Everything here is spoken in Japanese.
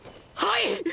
はい！